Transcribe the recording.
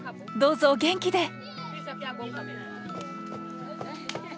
どうぞお元気で！